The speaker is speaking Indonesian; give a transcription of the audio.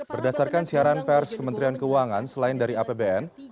berdasarkan siaran pers kementerian keuangan selain dari apbn